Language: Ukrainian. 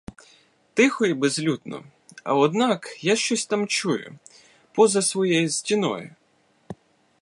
Тихо й безлюдно, а однак я щось там чую, поза своєю стіною.